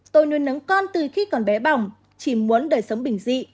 tôi nuôi nấng con từ khi còn bé bỏng chỉ muốn đời sống bình dị